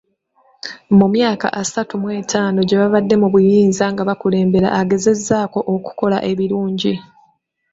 Mu myaka asatu mu etaano gy'ebadde mu buyinza nga kubeera ageezezza ko okukola ebirungi.